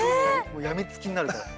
もう病みつきになるから。